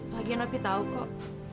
lagian opi tahu kok